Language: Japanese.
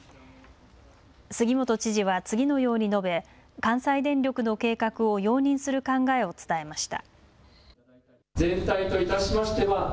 杉本知事は次のように述べ関西電力の計画を容認する考えを伝えました。